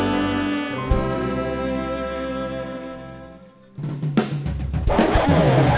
อุโหล